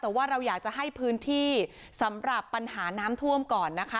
แต่ว่าเราอยากจะให้พื้นที่สำหรับปัญหาน้ำท่วมก่อนนะคะ